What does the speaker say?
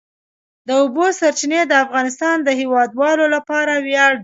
د اوبو سرچینې د افغانستان د هیوادوالو لپاره ویاړ دی.